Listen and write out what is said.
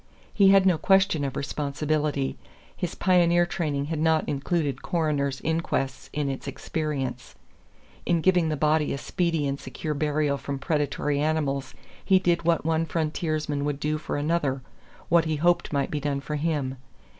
He had no question of responsibility; his pioneer training had not included coroners' inquests in its experience; in giving the body a speedy and secure burial from predatory animals he did what one frontiersman would do for another what he hoped might be done for him.